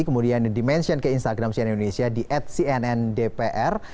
kemudian dimention ke instagram cnn indonesia di at cnn dpr